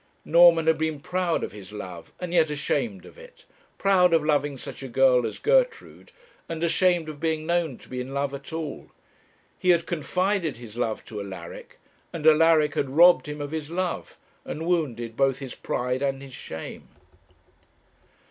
Norman had been proud of his love, and yet ashamed of it proud of loving such a girl as Gertrude, and ashamed of being known to be in love at all. He had confided his love to Alaric, and Alaric had robbed him of his love, and wounded both his pride and his shame.